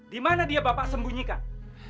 dimana dia pak sembunyikan